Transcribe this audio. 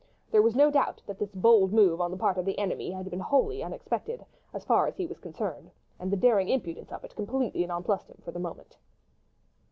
There was no doubt that this bold move on the part of the enemy had been wholly unexpected, as far as he was concerned: and the daring impudence of it completely nonplussed him for the moment.